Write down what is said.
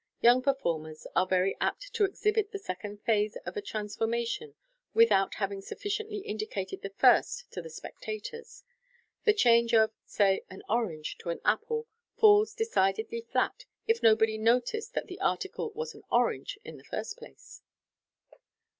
Young performers are very apt to exhibit the second phase of a trans formation without having sufficiently indicated the first to the spec tators. The change of, say, an orange to an apple, falls decidedly flat if nobody noticed that the article was an orange in the first instance.